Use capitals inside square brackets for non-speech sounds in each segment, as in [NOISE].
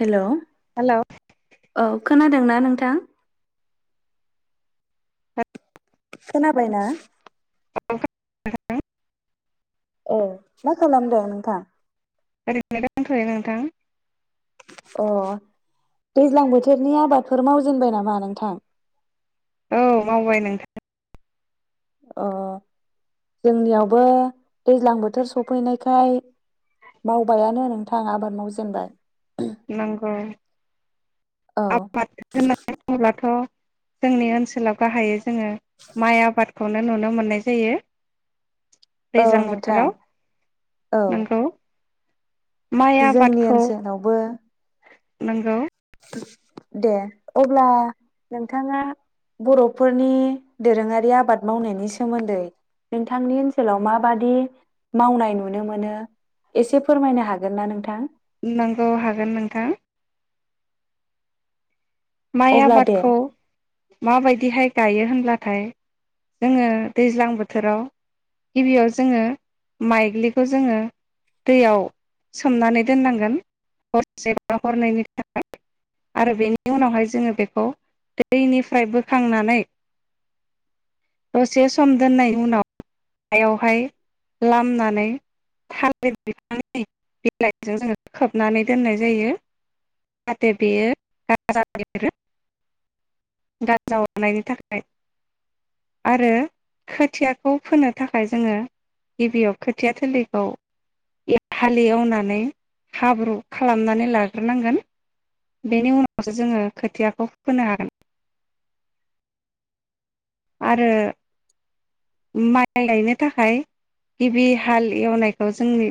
Hello hello खोनादों ना नोंथां खोनाबायना [UNINTELLIGIBLE] ओ मा खालामदों नोंथां ओरैनो दंथ'यो नोंथां अह दैज्लां बोथोरनि आबादफोर मावजेनबाय नामा नोंथां औ मावबाय नोंथां अह जोंनियावबो दैज्लां बोथोर सफैनायखाय मावबायानो नोंथां आबाद मावजेनबाय नंगौ औ आबाद होननानै बुङोबाथ' जोंनि ओनसोलाव गाहायै जोङो माइ आबाद खौनो नुनो मोननाय जायो। औ दैज्लां नोंथां बोथोराव औ। नंगौ जोंनि ओनसोलावबो। नोंगौ। दे अब्ला नोंथाङा बर'फोरनि दोरोङारि आबाद मावनायनि सोमोन्दै नोंथांनि ओनसोलाव माबादि मावनाय नुनो मोनो एसे फोरमायनो हागोन ना नोंथां? नोंगौ हागोन नोंथां। माइ अब्ला दे आबादखौ माबाय बिदिहाय गायो होनब्लाथाय जोङो दैज्लां बोथोराव गिबियाव जोङो माइग्लिखौ जोङो दैयाव सोमनानै दोननांगोन हरसे बा हरनैनि थाखाय आरो बेनि उनावहाय जोङो बेखौ दैनिफ्राय बोखांनानै दसे सम दोननायनि उनाव हायावहाय लामनानै थालिर बिफांनि बिलाइजों जोङो खोबनानै दोननाय जायो जाहाथे बेयो गा गाजा बेरो गाजा हरनायनि थाखाय आरो खोथियाखौ फोनो थाखाय जोङो गिबियाव खोथिया थोलिखौ हालेवनानै हाब्रु खालामनानै लाग्रोनांगोन बेनि उनाव नाव सो जोङो खोथियाखौ फोनो हागोन। आरो माइ गायनो थाखाय गिबि हाल एवनायखौ जोंनि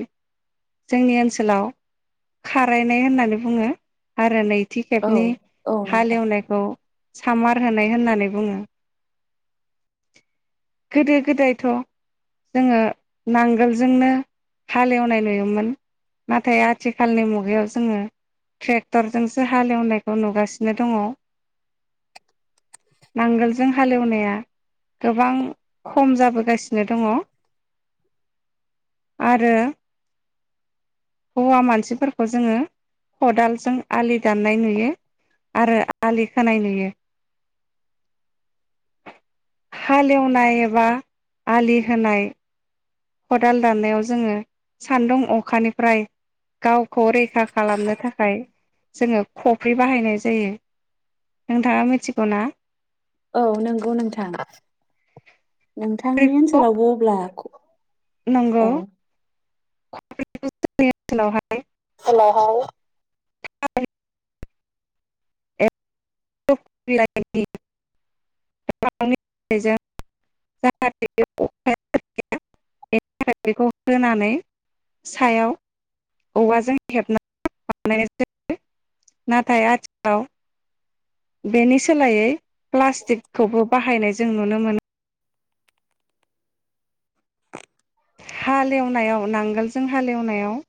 जोंनि ओनसोलाव खारायनाय होननानै बुङो आरो नै थि औ खेबनि औ नोंथां हालेवनायखौ। सामार होनाय होननानै बुंङो। गोदो गोदायथ जोंङो नांगोलजोंनो हालेवनाय नुयोमोन नाथाय आथिखालनि मुगायाव जोंङो ट्रेक्टरजोंसो हालेवनायखौ नुगासिनो दंङ नांगोलजों हालेवनाया या गोबां खम जाबोगासिनो दंङ आरो हौवा मानसिफोरखौ जोंङो खदालजों आलि दाननाय नुयो आरो आलि खोनाय नुयो। हालेवनाय एबा आलि होनाय। खदाल दाननायाव जोंङो सान्दुं अखानिफ्राय गावखौ रैखा खालामनो थाखाय जोंङो खफ्रि बाहायनाय जायो नोंथाङा मिथिगौ ना? औ नोंगौ नोंथां। नोंथांनि ओनसोलावबो अब्ला। नोंगौ। औ [UNINTELLIGIBLE] जोंनि ओनसोलावहाय। लाहाय [UNINTELLIGIBLE] बेनि थाखाय बेखौ होनानै सायाव औवाजों हेबनानै बानायनाय जायो नाथाय आथिखालाव। बेनि सोलायै। प्लास्टिकखौबो बाहायनाय जों नुनो मोनो हालेवनायाव नांगोलजों हालेवनायाव।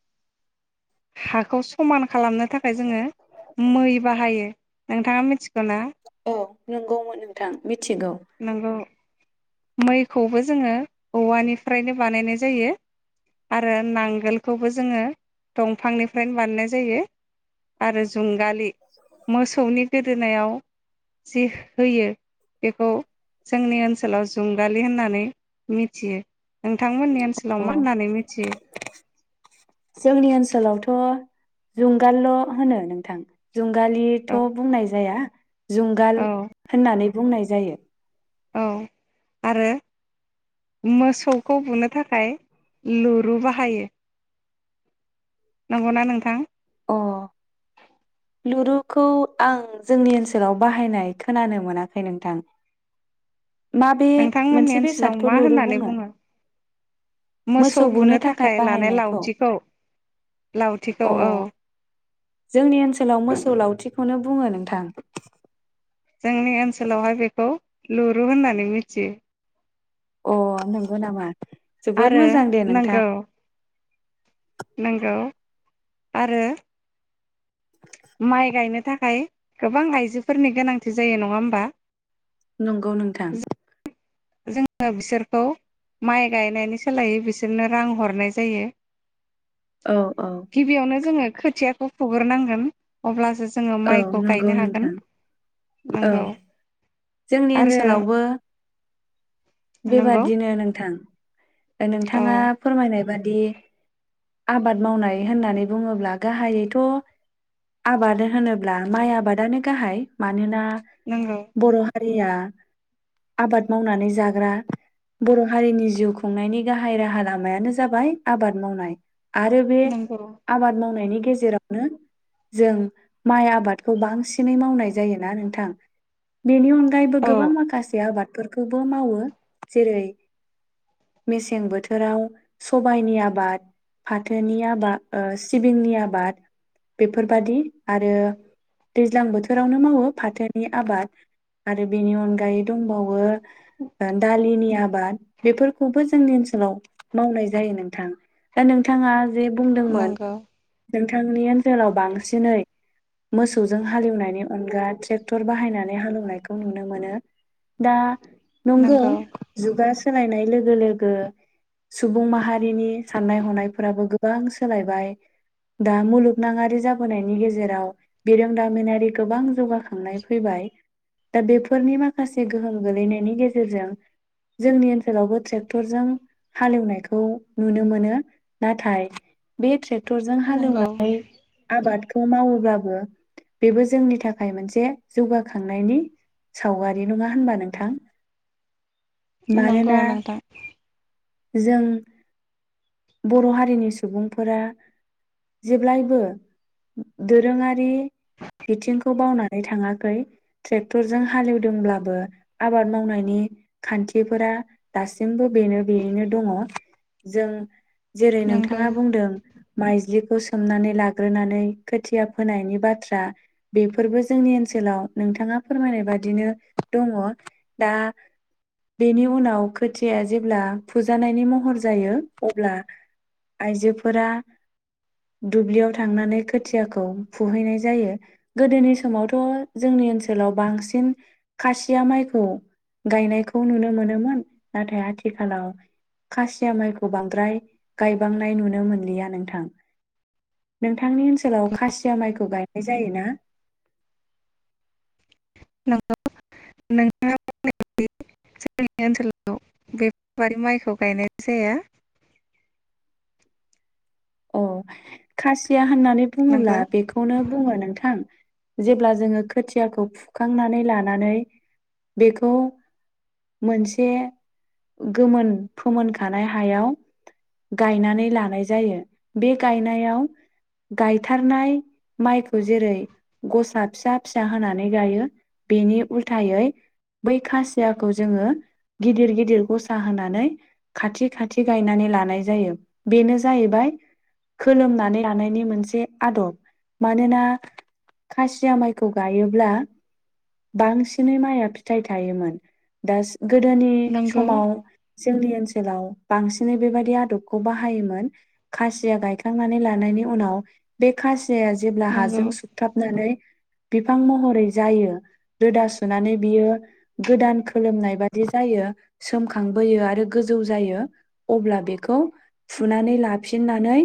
हाखौ समान खालामनो थाखाय जोंङो मै बाहायो नोंथाङा मिथिगौ ना? नोंगौ मोन नोंथां मि नोंगौ। मैखौबो जोंङो औवानिफ्रायनो बानायनाय जायो आरो नांगोलखौबो जोंङो दंफांनिफ्रायनो बानायनाय जायो आरो जुंगालि। मोसौनि गोदो दोनायाव जि होयो बेखौ जोंनि ओनसोलाव जुंगालि होननानै मिथियो नोंथां। मोननि ओनसोलाव अ मा होननानै मिथियो? जोंनि ओनसोलावथ जुंगालल होनो नोंथां। औ जुंगालिथ बुंनाय जाया। जुंगाल औ होननानै बुंनाय जायो। औ आरो मोसौखौ बुंनो थाखाय लुरु बाहायो। नंगौना नोंथां। अ लुरुखौ आं जोंनि ओनसोलाव बाहायनाय खोनानो मोनाखै नोंथां। माबे नोंथांमोननि मोनसे ओनसोलाव बेसादखौ मा लुरु होननानै बुङो बुंङो मोसौ बुनो थाखाय लानाय लावथिखौ लावथिखौ औ। अ जोंनि ओनसोलाव मोसौ लावथिखौनो बुंङो नोंथां। जोंनि ओनसोलावहाय बेखौ लुरु होननानै मिथियो। अ नंगौ नामा? जोबोद आरो मोजां दे नोंथां नंगौ नंगौ। आरो हाय गोबां आइजोफोरनि गोनांथि जायो नंङा होमबा? नंगौ नोंथां। जोंङो बिसोरखौ माइ गायनायनि सोलायै बिसोरनो रां हरनाय जायो। औ औ गिबियावनो जोंङो खो थियाखौ फुग्रोनांगोन अब्लासो जो औ नंगौ नोंथां औ नंगौ जोंनि आरो ओनसोलावबो नंगौ बेबादिनो नोंथां। ओ औ नोंथांङा फोरमायनाय बाद बिदि आबाद मावनाय होननानै बुंङोब्ला गाहायैथ' आबाद होनोब्ला माइ आबादानो गाहाय मानोना नंगौ। रिया आबाद मावनानै जा रा बर' हारिनि जिउ खुंनायनि गाहाय राहा लामायानो जाबाय आबाद मावनाय। आरो बे नंगौ आबाद मावनायनि गेजेरावनो जों माइ आबादखौ बांसिनै मावनाय जायोना नोंथां। बेनि अनगायैबो औ गोबां माखासे आबाद फोरखौबो मावो जेरै मेसें बोथोराव सबायाइनि आबाद फाथोनि आबाद ओ सिबिंनि आबाद बेफोरबादि आरो दैज्लां बोथोरावनो मावो फाथोनि आबाद आरो बेनि अनगायै दंबावो ओन दालिनि आबाद बेफोरखौबो जोंनि ओनसोलाव मावनाय जायो नोंथां दा नोंथांङा जे बुंदोंमोन नंगौ नोंथांनि ओनसोलाव बांसिनै मोसौजों हालेवनायनि अनगा ट्रेक्टर बाहायनानै हालेवनायखौ नुनो मोनो दा नंगौ जुगा सोलायनाय लोगो लोगो सुबुं माहारिनि साननाय हनायफोराबो गोबां सोलायबाय दा मुलुगनांङारि जाबोनायनि गेजेराव बिरोंदामिनारि गोबां जौगा खांनाय फैबाय। दा बेफोरनि माखासे गोहोम गोलैनायनि गे जेरजों जोंनि ओनसोलावबो ट्रेक्टरजों हालेवनायखौ नुनो मोनो नाथाय बे ट्रेग क्टरजों नंगौ हालौवनाय आबाद खौ मावोबाबो बेबो जोंनि थाखाय मोनसे जौगाखांनायनि सावगारि नंङा होनबा नोंथां? नंगौ मानोना नोंथां। जों बर' हारिनि सुबुंफोरा जेब्लायबो दोरोंङारि बिथिंखौ बावनानै थांङाखै ट्रेक्टरजों हालेवदोंब्लाबो आबाद मावनायनि खान्थिफोरा दासिमबो बेनो बेयैनो दंङ जों जेरै नंगौ नोंथांङा बुंदों माइज्लिखौ सोमनानै लाग्रोनानै खोथिया फोनायनि बाथ्रा बेफोरबो जोंनि ओनसोलाव नोंथांङा फोरमायनाय बादिनो दंङ दा बेनि उनाव खोथियाया जेब्ला फुजानायनि महर जायो अब्ला आइजोफोरा दुब्लियाव थांनानै खोथियाखौ फुहैनाय जायो गोदोनि समावथ' जोंनि ओनसोलाव बांसिन खासिया माइखौ गायनायखौ नुनो मोनोमोन नाथाय आथिखालाव खासिया माइखौ बांद्राय गायबांनाय नुनो मोनलिया नोंथां नोंथांनि ओनसोलाव खासिया माइखौ गायनाय जायोना? [UNINTELLIGIBLE] जोंनि ओनसोलाव बेफोरबादि माइखौ गायनाय जाया। अव खासिया होननानै बुंङोब्ला नंगौ बेखौनो बुंङो नोंथां जेब्ला जोंङो खोथियाखौ फुखांनानै लानानै बेखौ मोनसे गोमोन फोमोनखानाय हायाव गायनानै लानाय जायो। बे गायनायाव गायथारनाय माइखौ जेरै गसा फिसा फिसा होनानै गायो बेनि उल्थायै बै खासियाखौ जोंङो गिदिर गिदिर गसा होनानै खाथि खाथि गायनानै लानाय जायो बेनो जाहैबाय खोलोमनानै लानायनि मोनसे आदब मानोना खासिया माइखौ गायोब्ला बांसिनै माइया फिथाइ थायोमोन दा गोदोनि नंगौ समाव जोंनि ओनसोलाव बांसिनै बेबायाददि आदबखौ बाहायोमोन। खासिया गायखांनानै लानायनि उनाव बे खासि फिसाया जेब्ला नंगौ हाजों सुथाबनानै बिफां महरै जायो रोदा सुनानै बियो गोदान खोलोमनाय बादि जायो सोमखांबोयो आरो गोजौ जायो अब्ला बेखौ फुनानै ला फिननानै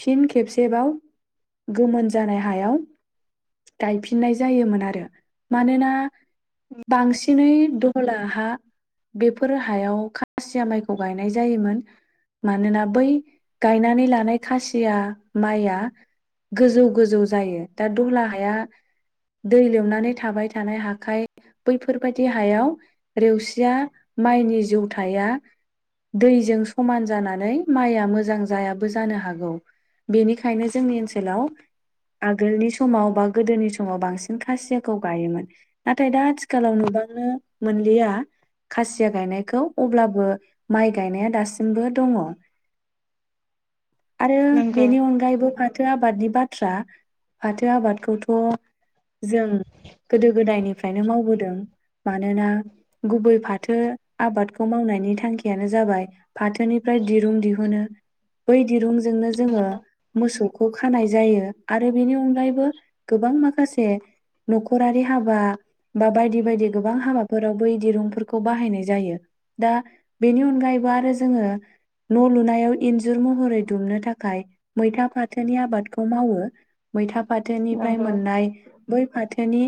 फिन खेबसेबाव गोमोन जानाय हायाव गायफिननाय जायोमोन आरो मानोना बांसिनै दहला हा बेफोर हायाव खासिया माइखौ गायनाय जायोमोन मानोना बै गायनानै लानाय खासिया माइआ गोजौ गोजौ जायो दा दहला हाया दै लोमनानै थाबाय थानाय हखाइ बैफोरबायाददि हायाव रेवसिया माइनि जौथाया दैजों समान जानानै माइआ मोज मोजां जायाबो जानो हागौ बेनिखायनो जोंनि ओनसोलाव आगोलनि समाव बा गोदोनि समाव बांसिन खासियाखौ गायोमोन नाथाय दा आथिखालाव नुबांनो मोनलिया खासिया गायनायखौ अब्लाबो माइ गायनाया दासिमबो दङ'। आरो नंगौ बेनि अनगायैबो फाथो आबादनि बाथ बाथ्रा फाथो आबादखौथ' जों गोदो गोदायनिफ्रायनो मावबोदों मानोना गुबै फाथो आबादखौ मावनायनि थांखियानो जाबाय फाथोनिफ्राय दिरुं दिहुन मोनो बै दिरुंजोंनो जोङो मोसौखौ खानाय जायो आरो बेनि अनगायैबो गोबां माखासे न'खरारि हाबा बा बायदि बायदि गोबां हाबाफोराव बै दिरुंफोरखौ बाहायनाय जायो दा बेनि अनगायैबो आरो जोङो न' लुनानै याव इन्जुर महरै दुमनो थाखाय मैथा फाथोनि आबादखौ मावो मैथा फाथोनिफ्राय नंगौ मोननाय बै फाथोनि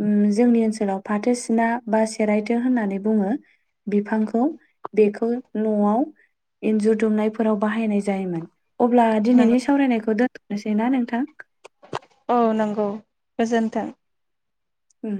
उम जोंनि ओनसोलाव फाथो सिना बा सेरायथो होननानै बुङो बिफांखौ बेखौ न'आव इन्जुर दुमनायफोराव बाहायनाय जायोमोन। अब्ला नंगौ दिनैनि सावरायनायखौ दोन दोनोसै ना नोंथां? अ नोंगौ गोजोन्थों। उम।